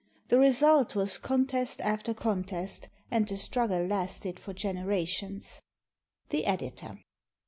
The result was contest after contest, and the struggle lasted for generations. The Editor.